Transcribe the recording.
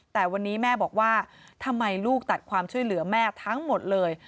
แต่วันนี้แม่บอกว่าทำไมลูกตัดความช่วยเหลือแม่ทั้งหมดเลย